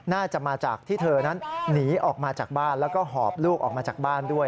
น่าจะมาจากที่เธอนั้นหนีออกมาจากบ้านแล้วก็หอบลูกออกมาจากบ้านด้วย